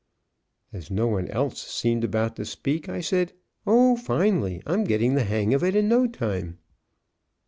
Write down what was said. As no one else seemed about to speak, I said: "Oh, finely, I'm getting the hang of it in no time."